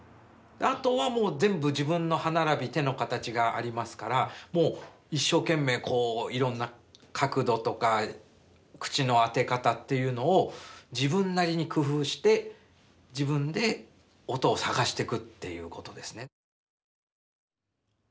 あとはもう全部自分の歯並び手の形がありますからもう一生懸命いろんな角度とか口の当て方っていうのを自分なりに工夫して自分で音を探していくということですね。